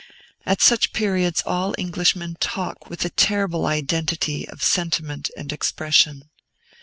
At such periods all Englishmen talk with a terrible identity of sentiment and expression.